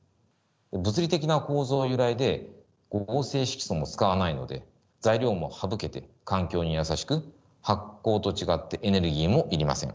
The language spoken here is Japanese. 物理的な構造由来で合成色素も使わないので材料も省けて環境にやさしく発光と違ってエネルギーも要りません。